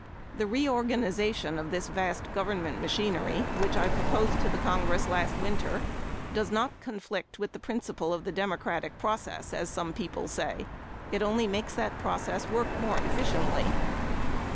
The reorganization of this vast government machinery which I proposed to the Congress last winter does not conflict with the principle of the democratic process, as some people say. It only makes that process work more efficiently.